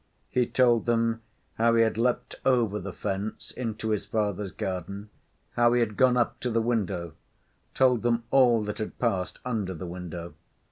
He told them how he had leapt over the fence into his father's garden; how he had gone up to the window; told them all that had passed under the window.